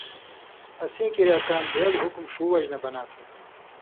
اسیں کریا کام دېل حکم ݜُو وجہۡ نہ بناں تھو